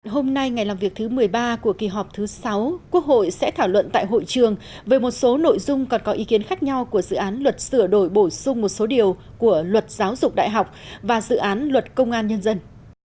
hôm nay ngày làm việc thứ một mươi ba của kỳ họp thứ sáu quốc hội sẽ thảo luận tại hội trường về một số nội dung còn có ý kiến khác nhau của dự án luật sửa đổi bổ sung một số điều của luật giáo dục đại học và dự án luật công an nhân dân